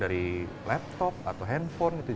dari laptop atau handphone